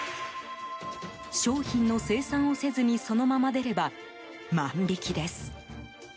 商品の精算をせずにそのまま出れば万引きです。